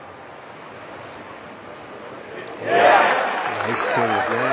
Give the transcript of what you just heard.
ナイスセーブですね。